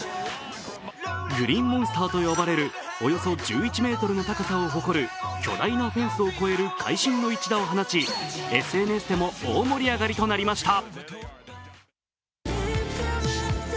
グリーンモンスターと呼ばれるおよそ１１ｍの高さを誇る巨大なフェンスを越える会心の一打を放ち、ＳＮＳでも大盛り上がりとなりました。